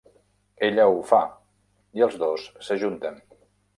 Ella ho fa, i els dos s'ajunten.